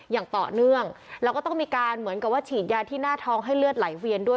อย่างต่อเนื่องแล้วก็ต้องมีการเหมือนกับว่าฉีดยาที่หน้าท้องให้เลือดไหลเวียนด้วย